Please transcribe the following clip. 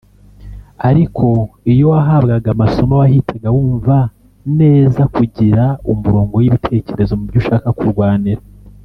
ariko iyo wahabwaga amasomo wahitaga wumva neza kugira umurongo w’ibitekerezo mu byo ushaka kurwanira